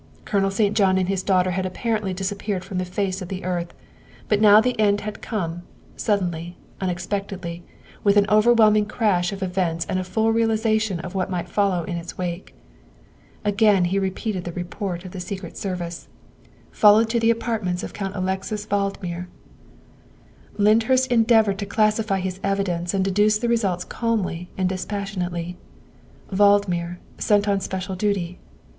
Colonel St. John and his daughter had apparently disappeared from the face of the earth, but now the end had come, sud denly, unexpectedly, with an overwhelming crash of events and a full realization of what might follow in its wake. Again he repeated the report of the Secret Service. "Followed to the apartments of Count Alexis Vald mir. '' Lyndhurst endeavored to classify his evidence and deduce the results calmly and dispassionately. Valdmir, sent on special duty.